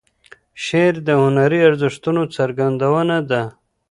شعر د هنري ارزښتونو څرګندونه ده.